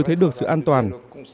thấy được sự an toàn